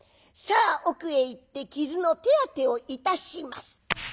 さあ奥へ行って傷の手当てをいたします。